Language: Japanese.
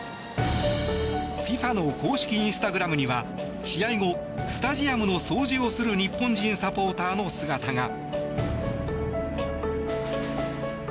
ＦＩＦＡの公式インスタグラムには試合後、スタジアムの掃除をする日本人サポーターの姿が。